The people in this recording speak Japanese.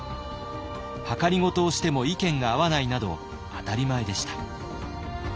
はかりごとをしても意見が合わないなど当たり前でした。